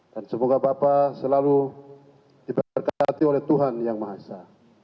dan semoga bapak selalu diberkati oleh tuhan yang maha esa